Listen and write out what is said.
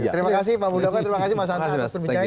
terima kasih pak muldoko terima kasih mas hanta atas perbincangannya